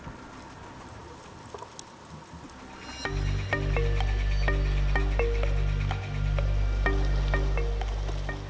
kondisi terumbu karang di selayar